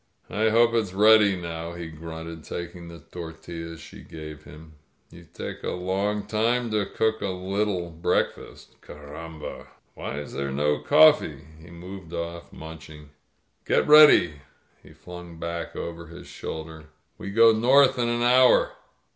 "I hope it's ready now," he grunted, taking the tor tiUas she gave him. ^^You take a long time to cook a little breakfast. Carramha! Why is there no coflTee?" He moved oflT, munching. "Get ready,'* he flung back over his shoulder. "We go north in an hour."